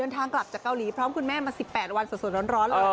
ทางกลับจากเกาหลีพร้อมคุณแม่มา๑๘วันสดร้อนเลย